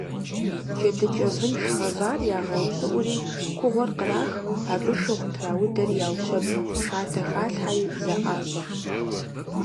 Джэдыкӏэ вынш гъэвар ягъэупщӏыӏури кугъуэр кърах, абы шыгъу траудэри яущэб, шатэ халъхьэри, зэӏащӏэ.